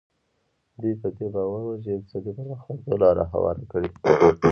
دوی په دې باور وو چې اقتصادي پرمختګ ته لار هواره کړي.